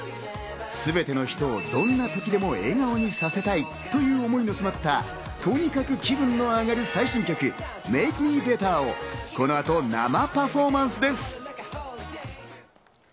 すべての人をどんな時でも笑顔にさせたい。という思いの詰まったとにかく気分が上がる最新曲『ＭａｋｅＭｅＢｅｔｔｅｒ』をこの後、生パフォーマンスです。